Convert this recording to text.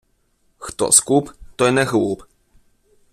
Хто скуп, той не глуп.